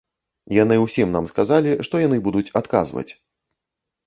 Яны ўсім нам сказалі, што яны будуць адказваць.